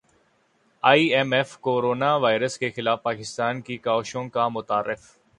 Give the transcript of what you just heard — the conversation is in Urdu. ائی ایم ایف کورونا وائرس کے خلاف پاکستان کی کاوشوں کا معترف